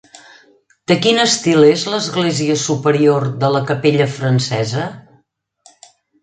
De quin estil és l'església superior de la Capella Francesa?